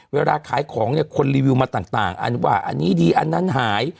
เวลาขายของคนรีวิวมาต่างอันนี้ดีอันนั้นหาย